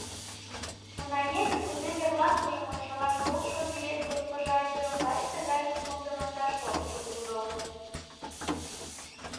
Унаеҥын кузе верланымыжым ончалаш толшо Гивет госпожа ӱдырым лач тыгай кумылдымын да шортшым ужо.